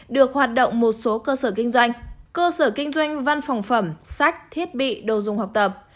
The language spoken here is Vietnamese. được hoạt động một số cơ sở kinh doanh cơ sở kinh doanh văn phòng phẩm sách thiết bị đồ dùng học tập